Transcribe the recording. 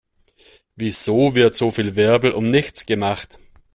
Wieso wird so viel Wirbel um nichts gemacht?